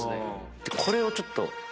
これをちょっと。